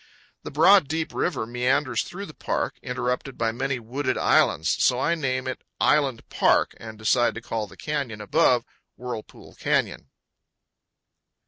The broad, deep river meanders through the park, interrupted by many wooded islands; so I name it Island Park, and decide to call the canyon above, Whirlpool Canyon.